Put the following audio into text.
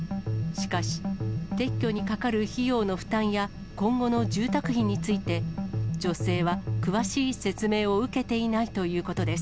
しかし、撤去にかかる費用の負担や、今後の住宅費について、女性は詳しい説明を受けていないということです。